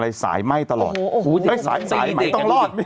สวัสดีครับคุณผู้ชม